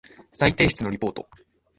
再提出のリポート